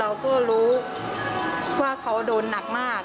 เราก็รู้ว่าเขาโดนหนักมาก